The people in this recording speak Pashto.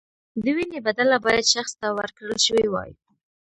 د وینې بدله باید شخص ته ورکړل شوې وای.